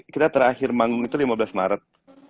kita terakhir manggung itu lima belas maret